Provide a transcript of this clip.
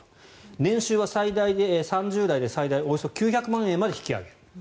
年収は最大で３０代で９００万円まで引き上げる。